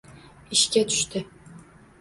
Ishga tushdi